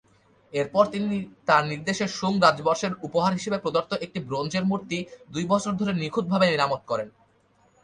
এরপর তিনি তার নির্দেশে সুং রাজবংশের উপহার হিসেবে প্রদত্ত একটি ব্রোঞ্জের মূর্তি দুই বছর ধরে নিখুঁত ভাবে মেরামত করেন।